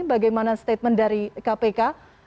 bagaimana statement dari kpk